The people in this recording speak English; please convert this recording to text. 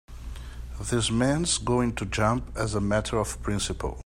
This man's going to jump as a matter of principle.